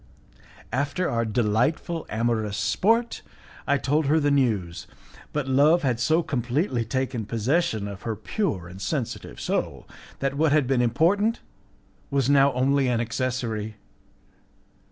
After our delightful amorous sport, I told her the news, but love had so completely taken possession of her pure and sensitive soul, that what had been important was now only an accessory.